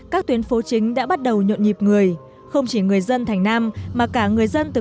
các tuyến phố chính đã bắt đầu nhộn nhịp người không chỉ người dân thành nam mà cả người dân từ